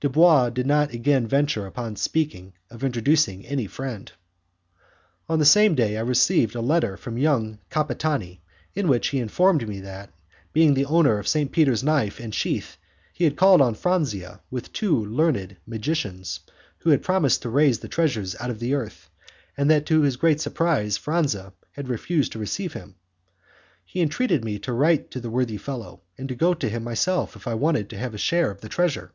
Dubois did not again venture upon speaking of introducing any friend. On the same day I received a letter from young Capitani, in which he informed me that, being the owner of St. Peter's knife and sheath, he had called on Franzia with two learned magicians who had promised to raise the treasure out of the earth, and that to his great surprise Franzia had refused to receive him: He entreated me to write to the worthy fellow, and to go to him myself if I wanted to have my share of the treasure.